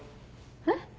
えっ？